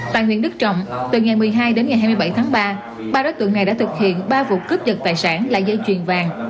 tại huyện đức trọng từ ngày một mươi hai đến ngày hai mươi bảy tháng ba ba đối tượng này đã thực hiện ba vụ cướp dật tài sản là dây chuyền vàng